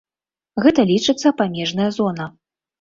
Гэта лічыцца памежная зона.